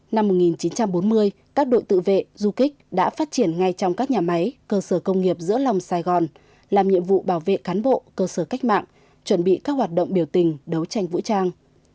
năm một nghìn chín trăm bốn mươi các đội tự vệ du kích đã phát triển ngay trong các nhà máy cơ sở công nghiệp giữa lòng sài gòn làm nhiệm vụ bảo vệ cán bộ cơ sở cách mạng chuẩn bị các hoạt động biểu tình đấu tranh vũ trang